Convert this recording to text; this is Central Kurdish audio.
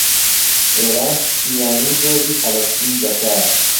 ئێران پشتیوانیی دۆزی فەڵەستین دەکات.